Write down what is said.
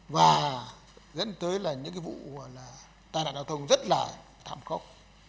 và dẫn tới là những cái vụ là tai nạn đào thông rất là thảm khốc